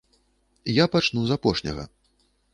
Я пачну з апошняга.